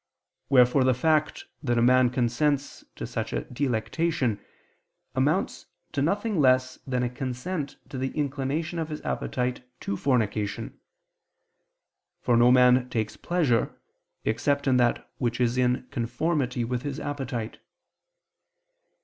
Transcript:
Wherefore the fact that a man consents to such a delectation, amounts to nothing less than a consent to the inclination of his appetite to fornication: for no man takes pleasure except in that which is in conformity with his appetite.